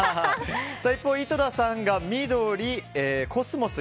一方、井戸田さんが緑のコスモス。